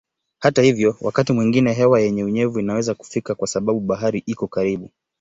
Hata hivyo wakati mwingine hewa yenye unyevu inaweza kufika kwa sababu bahari iko karibu.